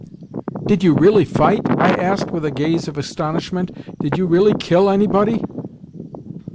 "Did you really fight?" I asked with a gaze of astonishment "Did you really kill anybody?"